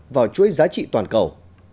vào chuối giá trị toàn cầu